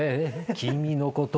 「君のこと」